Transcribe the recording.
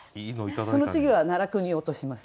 その次は奈落に落とします。